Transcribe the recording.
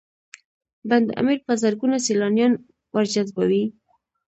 بند امیر په زرګونه سیلانیان ورجذبوي